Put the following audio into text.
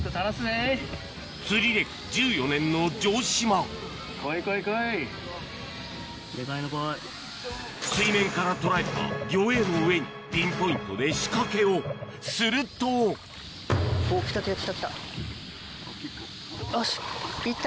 釣り歴１４年の城島水面から捉えた魚影の上にピンポイントで仕掛けをするとおっいった？